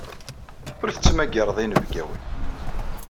Ur tettmagareḍ inebgawen.